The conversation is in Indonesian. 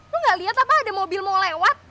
lu gak lihat apa ada mobil mau lewat